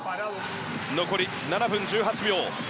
残り７分１８秒。